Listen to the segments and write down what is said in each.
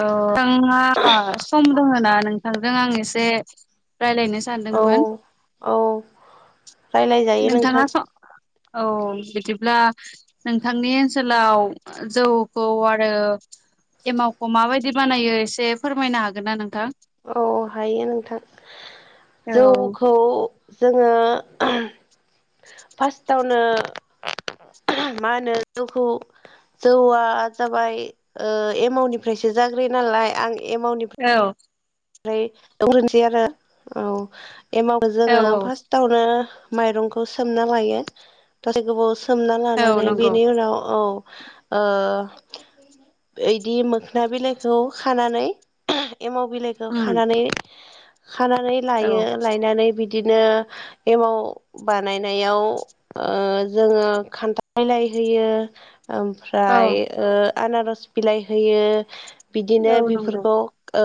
औ नोंथाङा सम दङ ना नोंथांजों आं एसे राय्लायनो सानदोंमोन। रायज्लाय जायो नोंथाङा नोंथां। स औ बिदिब्ला नोंथांनि ओनसोलाव जौखौ आरो एमावखौ माबायदि बानायो एसे फोरमायनो हागोन ना नोंथां। औ हायो नोंथां औ जौखौ जोङो फार्स्टआवनो मा होनो जौखौ जौआ जाबाय ओ एमावनिफ्रायसो जाग्र नाय नालाय आं एमाउन्टनिफ्राय औ ओमफ्राय रनोसै आरो औ एमाखौ औ जोङो औ फार्स्टआवनो माइरंखौ सोमना लायो दासै गोबाव सोमना औ लानानै नंगौ बेनि उनाव औ। ओ इदि मोखोन बिलाइखौ खानानै एमाव बिल खौ उम खानानै खानानै औ लायो लायनानै बिद बिदिनो एमाव बानायनायाव ओ जोङो खान्थाय बिलाइ होयो। औ ओमफ्राय ओ आनारस बिलाइ होयो बिदिनो औ नंगौ बेफोरखौ ओ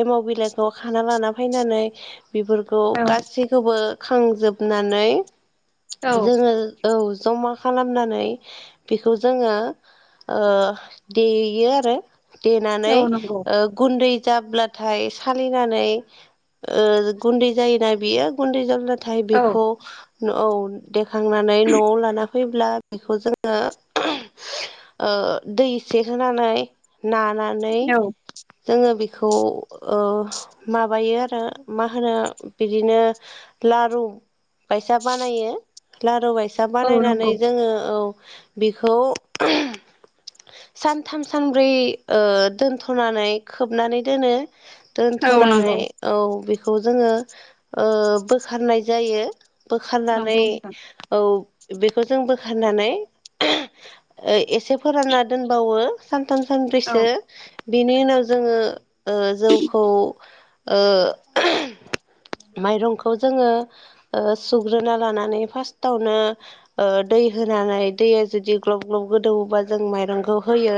एमाव बिलाइखौ खाना लाना फैनानै बेफोरखौ औ गासैखौबो खांजोबनानै औ जोङो औ जमा खालामनानै बेखौ जोङो ओ देयो आरो देनानै औ नंगौ ओ गुन्दै जाब्ला नाथाय सालिनानै गुन्दै जायोना बियो गुन्दै ज नाथाय औ बेखौ औ देखांनानै न'आव लाना फैब्ला बेखौ जोङो ओ दै एसे होनानै नानानै औ जोङो बेखौ ओ माबायो आरो मा होनो बिदिनो लारु बायसा बानायो लारु बायसा औ बानायनानै नंगौ जोङो औ बेखौ [inaudible] सानथाम सानब्रै ओ दोनथ'नानै खोबनानै दोनो औ दोनथ'नानै नंगौ औ बेखौ [inaudible] बे जोङो ओ बोखारनाय जायो बोखारनानै नंगौ नोंथां औ बेखौ जों बोखारनानै एसे फोरानना दोनबावो सान सानथाम औ सानब्रैसो बिनि उनाव जोङो जौखौ ओ [inaudible] माइरंखौ जोङो सुग्रोना लानानै फार्टावनो ओ दै होन होनानै दैया जुदि ग्लब ग्लब गोदौबा जों माइरंखौ होयो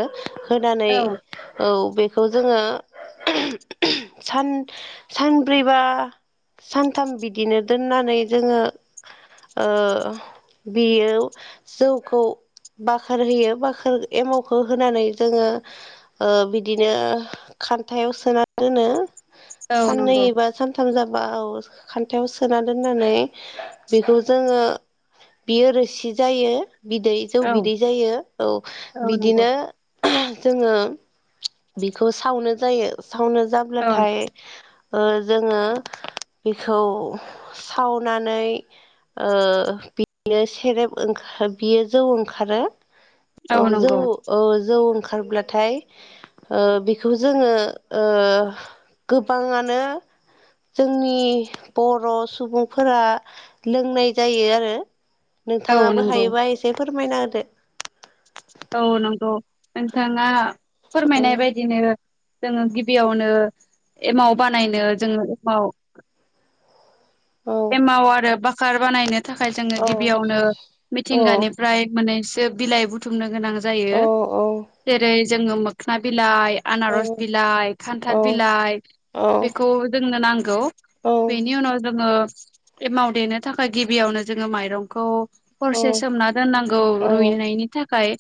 होनानै औ औ बेखौ जोङो [inaudible] सान सानब्रैबा सानथाम बिदिनो दोननानै जोङो ओ बियो जौखौ बाखोर होयो बाखार एमावखौ होनानै जोङो ओ बिदिनो खान्थायाव सोना दोनो औ साननै नंगौ एबा सानथाम जाब बा औ खान्थायाव सोना दोननानै बेखौ जोङो बियो रोसि जायो बिदै जौ औ बिदै जायो औ औ नंगौ बिदिनो ओ जोङो बेखौ सावनो जायो सावनो जाब्लाथाय औ ओ जोङो बेखौ सावनानै ओ बिनो सेरेब ओंखा बियो जौ ओंखारो औ जौ औ जौ ओंखारब्लाथाय ओ बेखौ जोङो ओ गोबाङानो जोंनि बर' सुबुंफोरा लोंनाय जायो आरो औ नोंथाङाबो नंगौ हायोबा एसे फोरमायना होदो औ नंगौ नोंथाङा फोरमायनाय बायदिनो जोङो गिबियावनो एमाव बानायनो जोङो एमाव औ एमाव आरो बाखार बानायनो थाखाय जोङो औ गिबियावनो औ मिथिंगानिफ्राय माने बिलाइ बुथुमनो गोनां औ जायो जेरै जोङो मोखोना बिलाइ औ आनारस बिलाइ औ खान्थाल बिलाइ औ बेखौ जोंनो नांगौ औ बेनि उनाव जोङो एमाव देनो थाखाय गिबियावनो जोङो माइरंखौ हरसे सोमना दोननांगौ औ रुइनायनि थाखाय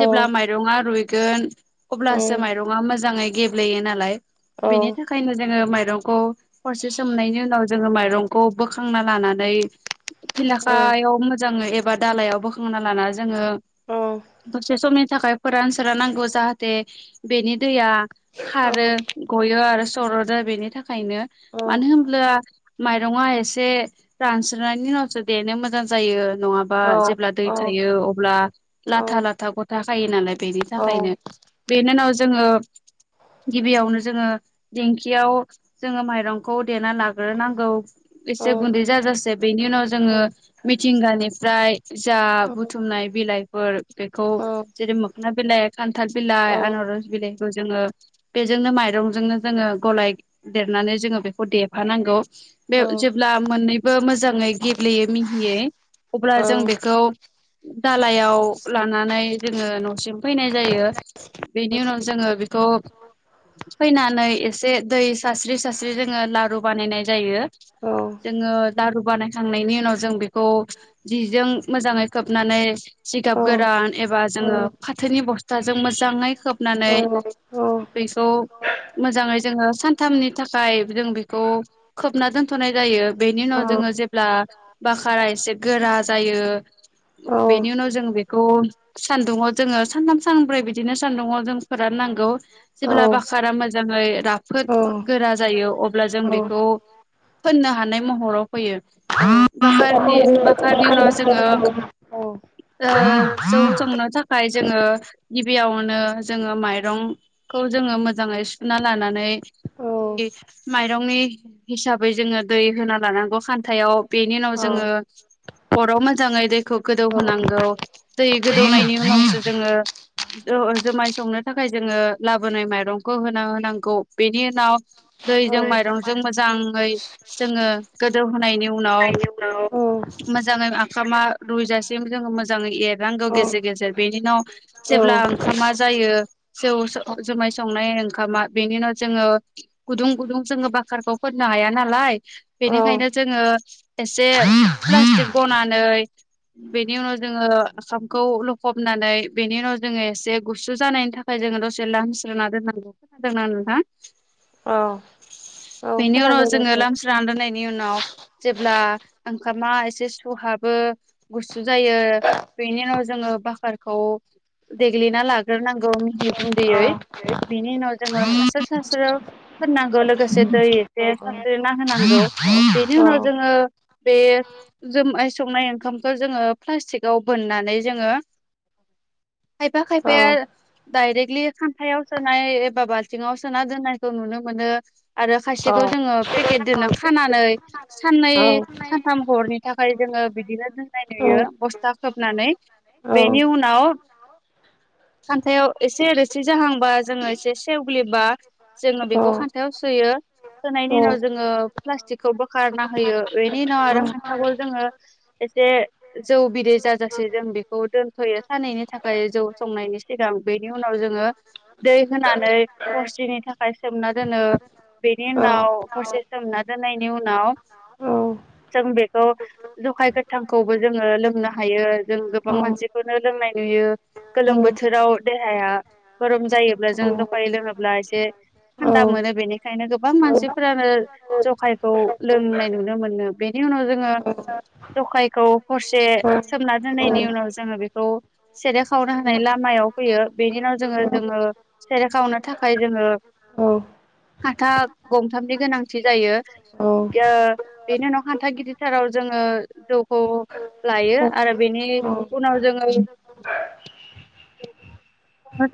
जेब्ला माइरङा रुइगोन अब्लासो माइरंआ मोजाङै गेब्लेयो नालाय बेनि थाखायनो जोङो माइ इरंखौ हरसे सोमनायनि उनाव जोङो माइरंखौ बोखांना लानानै फिलाखायाव मोजाङै एबा दालायाव बोखांना लाना जोङो दसे समनि थाखाय फोरान सोरान नांगौ जाहाथे बेनि दैया खारो गयो आरो सर'दो बेनि थाखायनो मानो होनब्ला माइ रङा एसे रानस्रानायनि उनावसो देनो मोजां जायो नङाबा जेब्ला दै थायो अब्ला लाथा लाथा गथा खायो नालाय बेनि थाखायनो बेनि उनाव जोङो गिबियावनो जोङो दिंखियाव जोङो माइरंखौ देना लाग्रोनांगौ एसे गुन्दै जाजासे बेनि उनाव जोङो मिथिंगानि फ्राय जा बुथुमनाय बिलाइफोर बेखौ जेरै मोखोना बिलाइ खान्थाल बिलाय आनरस बिलाय जोङो बेजोंनो माइरंजोंनो जोङो गलाय देरनानै जोङो बेखौ देफानांगौ बे जेब्ला मोननैबो मोजाङै गेब्लेयै मिहियै अब्ला जों बेखौ दालायाव लानानै जोङो न'सिम फैनाय जायो। बेनि उनाव जोङो बेखौ, फैनानै एसे दै सारस्रि सारस्रि जोङो लारु बानायनाय जायो। जोङो लारु बानाय खांनायनि उनाव जों बेखौ जिजों मोजाङै खोबनानै जिगाब गोरान एबा जोङो फाथोनि बस्थाजों मोजाङै खोबनानै बेखौ मोजाङै जोङो सानथामनि थाखाय जों बेखौ खोबना दोन थ'नाय जायो बेनि उनाव औ जोङो जेब्ला बाखारा एसे गोरा जायो। औ औ बेनि उनाव जों बेखौ सान्दुङाव जोङो सानथाम सानब्रै बिदिनो सान्दुङाव जों फोरान नांगौ औ जेब्ला बाखारा मोजाङै राफोद गोरा जायो अब ब्ला जों बेखौ फोननो हानाय महराव फैयो। बाखारनि बाखा खारनि उनाव जोङो औ ओ जौ संनो थाखाय जोङो गिबियावनो जोङो माइरं खौ जोङो मोजाङै सुना लानानै औ माइरंनि हिसाब बै जोङो दै होना लानांगौ खान्थायाव बेनि उनाव औ जोङो अराव मोजाङै दैखौ गोदौ होनोनांगौ दै गोदौनायनि उनावसो जोङो जो-जोमाय संनो थाखाय जोङो लाबोनाय माइरंखौ होना होनांगौ बेनि उनाव दैजों माइरंजों मोजाङै जोङो गोदौहोनायनि उनाव मोजाङै आखामा रुइजासिम जोङो मोजाङै एरनांगौ गेजेर गेजेर बेनि उनाव जेब्ला ओंखामा जायो जौ सो- जोमाय संनाय ओंखामा बेनि उनाव जोङो गुदुं गुदुं जोङो बाखारखौ फोननो हाया ना नालाय बेनिखायनो जोङो एसे प्लासटिक बनानै बेनि उनाव जोङो आखामखौ लखबनानै बेनि उनाव जोङो एसे गुसु जानायनि थाखाय जोङो दसे लामस्रोना दोननांगौ खोनादों ना नोंथां? औ [inaudible] ओ बेनि उनाव जोङो लामस्रोना दोननाय नि उनाव जेब्ला ओंखामा एसे सुहाबो, गुसु जायो बेनि उनाव जोङो बखारखौ देग्लिना लाग्रोनांगौ मिहि औ गुन्दैयै औ औ बिनि उनाव औ जोङो सास्रो सास्रो फोननांगौ लोगोसे दै एसे औ सास्रिना होनांगौ औ बेनि उनाव जोङो बे जोमाय संनाय ओंखामखौ जोङो प्लास्टिकआव बोननानै जोङो [unintelligible] खायफा खायफाया दायरेक्टलि खानथायाव सोनाय एबा बाल्थिङाव सोना दोननायखौ नुनो मो नो आरो खायसेखौ जोङो पेकेट दोनो खानानै साननै सानथाम हरनि थाखाय जोङो बिदिनो दोननाय नुयो बस्था खोबनानै। बेनि उनाव [unintelligible] खान्थायाव एसे रोसि जाहांबा जोङो एसे सेवग्लिबा जोङो बेखौ खान्थायाव सुयो। सोनायनि‌ उनाव जोङो प्लास्टिकखौ बोखारना होयो बेनि उनाव आरो खान्थखौ जोङो एसे जौ बिदै जाजासे जों बेखौ दोनथ'यो सानैनि थाखाय जौ संनायनि सिगां बेनि उनाव जोङो दै होनानै हरसेनि थाखाय सोमना दोनो बेनि उनाव हरसे सोमना दोननायनि उनाव जों बेखौ जखाय गोथांखौबो जोङो लोंनो हायो जों गोबां मानसिखौनो लोंनाय नुयो गोलोम बोथोराव देहाया गरम जायोब्ला जों जखाय लोङोब्ला एसे थान्दा मोनो बेनिखायनो गोबां मानसि फोरानो जखायखौ लोंनाय नुनो मोनो बेनि उनाव जोङो जखायखौ हरसे सोमना दोननायनि उनाव जोङो बेखौ सेरेब सावना हानाय लामा मायाव फैयो बेनि उनाव जोङो जोङो सेरेब खावनो थाखाय जोङो औ खानथा गंथामनि गोनांथि जायो ओ बेनि उनाव खान्था गिदिरथाराव जोङो जौखौ लायो आरो बेनि उनाव जोङो [unintelligible]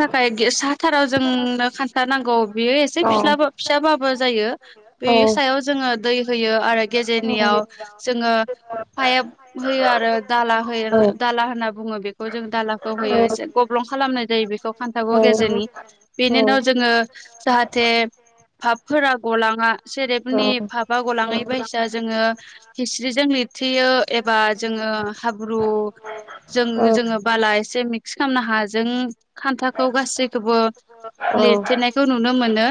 थाखाय साथाराव जोंनो खानथा नांगौ बेयो एसे फिसला फिसाबा बाबो जायो बेनि सायाव जोङो दै होयो आरो गेजेरनियाव जोङो पाइप होयो आरो दाला होयो दाला होनना बुङो बेखौ जों दालाखौ होयो एसे गब्लं खालामनाय जायो बेखौ खान्थागौ गेजेरनि बेनि उनाव जोङो जाहाथे भापफोरा गलाङा सेरेबनि भापा गलाङै बायसा जोङो हिस्रिजों लिर थेयो एबा जोङो हाब्रु जों जोङो बाला एसे मिक्स खालामना हायाजों खान्थाखौ गासैखौबो लिरथेनायखौ नुनो मोनो।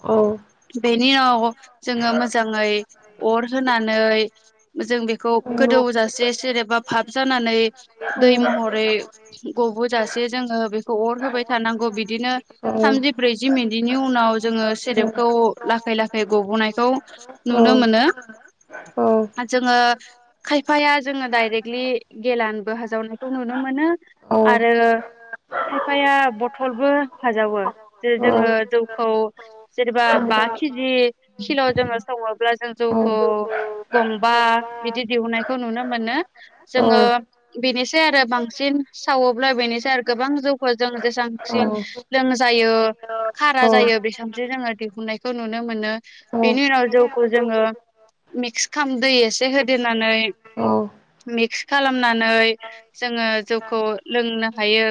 औ बेनि उनाव जोङो मोजाङै अर होनानै जों बेखौ गोदौजासे सेरेनेबा भाब जानानै दै महरै गबोजासे जोङो ओ बेखौ होबाय थानांगौ बिदिनो थामजि ब्रैजि मिनिदनि उनाव जोङो सेरेबखौ लाखै लाखै गब'नायखौ नुनो मोनो। औ जोङो खायफाया जोङो दडाइरेक्टलि गेेलानबो हाजावनायखौ नुनो मोनो। आरो खायफाया बथलबो हाजावो जे जोङो जौखौ जेनेबा बा केजि सिल' जोङो सङोब्ला जों जौखौ गंबा बिदि दिहुननायखौ नुनो मोनो जोङो बिनिसै आरो बांसिन सावोब्ला बेनिसाय आरो गोबां जौखौ जों जेसांसि लोंजायो खारा जा जायो बे सामसो जोङो दिहुननायखौ नुनो मोनो बेनि उनाव जौखौ जोङो मिक्स खाम दै एसे होदेरनानै मिक्स खालामनानै जोङो जौखौ लोंनो हायो।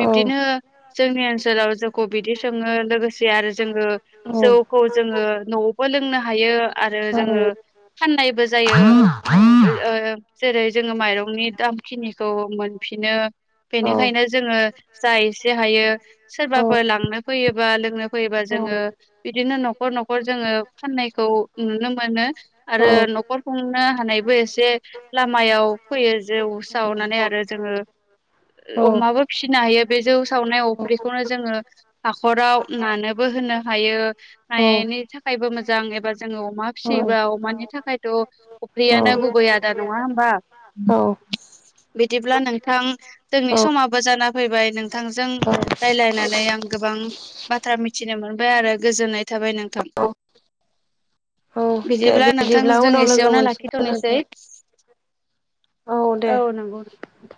बिब्दिनो जोंनि ओनसोलाव जोंखौ बिदि सोङो लोगोसे आरो जोङो जौखौ जोङो न'आवबो लोंनो हायो आरो जोङो फाननायबो जायो ओ जेरै जोङो माइरंनि दामखिनिखौ मोनफिनो। बेनिखायनो जोङो जा एसे हायो सोरबाफोर लांनो फैयोबा लोंनो फैयोबा जोङो बिदिनो न'खर न'खर जोङो फाननायखौ नुनो मोनो औ आरो न'खर खुंनो हानायबो एसे लामायाव फैयो जौ सावनानै आरो जोङो अमाबो फिसिनो हायो बे जौ सावनाय अफ्रिखौनो जोङो हाख'राव नानोबो होनो हायो नायनि था खायबो मोजां एबा जोङो अमा फिसियोबा अमानि थाखायथ' अफ्रियानो गुबै आदार नङा होमबा औ बिदिब्ला नोंथां जोंनि औ, समाबो जाना फैबाय नोंथांजों राय्लायनानै आं गोबां बाथ्रा मिथिनो मोनबाय आरो गोजोननाय थाबाय नोंथां। औ, औ दे बिदिब्ला नोंथांजों उनाव लोगो एसेयावनो मोनसिगोन लाखिथ'नोसै। नोंथां औ नंगौ नोंथां।